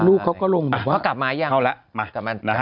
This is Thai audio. ลูกเขาก็ลงแบบว่าเขากลับมาหรือยัง